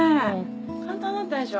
簡単だったでしょ？